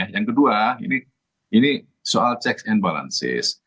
yang kedua ini soal checks and balances